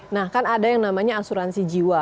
nah kan ada yang namanya asuransi jiwa